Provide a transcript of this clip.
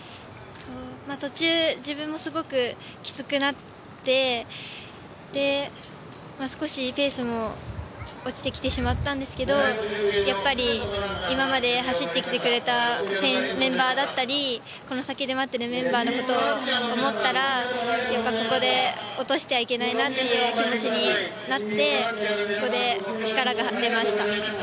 途中、自分もすごくきつくなって少しペースも落ちてきてしまったんですけどやっぱり今まで走ってきてくれたメンバーだったりこの先で待っているメンバーのことを思ったらやっぱりここで落としてはいけないなという気持ちになって、そこで力が出ました。